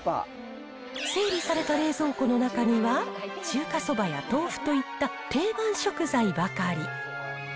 整理された冷蔵庫の中には、中華そばや豆腐といった定番食材ばかり。